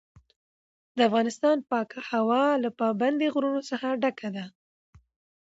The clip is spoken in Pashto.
د افغانستان پاکه هوا له پابندي غرونو څخه ډکه ده.